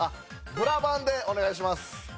ブラバンでお願いします。